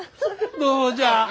どうじゃ。